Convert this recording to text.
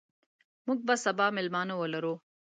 موږ به سبا مېلمانه ولرو.